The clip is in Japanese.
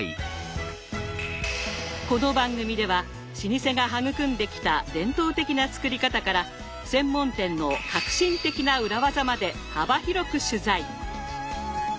この番組では老舗が育んできた伝統的な作り方から専門店の革新的な裏技まで幅広く取材。